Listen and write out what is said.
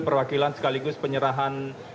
perwakilan sekaligus penyerahan